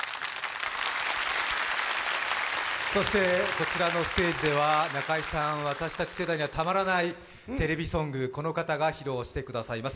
こちらのステージでは中居さん、私たち世代にはたまらないテレビソング、この方が披露してくださいます。